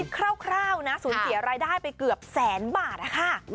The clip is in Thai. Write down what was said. คิดคร่าวนะศูนย์เฉียรายได้ไปเกือบแสนบาทอะค่ะ